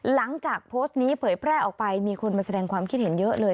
หลังจากโพสต์นี้เผยแพร่ออกไปมีคนมาแสดงความคิดเห็นเยอะเลย